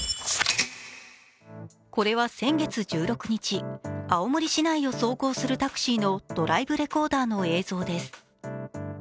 これは先月１６日、青森市内を走行するタクシーのドライブレコーダーの映像です。